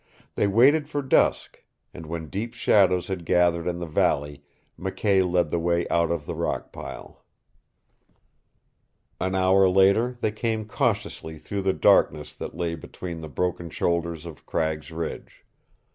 They waited for dusk, and when deep shadows had gathered in the valley McKay led the way out of the rock pile. An hour later they came cautiously through the darkness that lay between the broken shoulders of Cragg's Ridge.